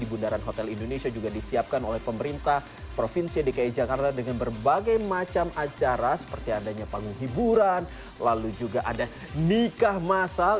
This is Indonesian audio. dan di bundaran hotel indonesia juga disiapkan oleh pemerintah provinsi dki jakarta dengan berbagai macam acara seperti adanya panggung hiburan lalu juga ada nikah masal